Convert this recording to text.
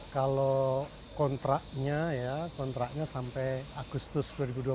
kalau kontraknya ya kontraknya sampai agustus dua ribu dua puluh